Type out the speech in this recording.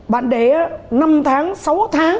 bạn để năm tháng sáu tháng